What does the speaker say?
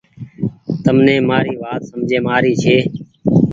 تم ني مآري وآت سمجهي مين آ ري ڇي۔